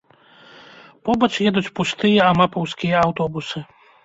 Побач едуць пустыя амапаўскія аўтобусы.